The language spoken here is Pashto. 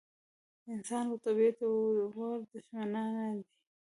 انسان او طبیعت د یو بل دښمنان نه دي.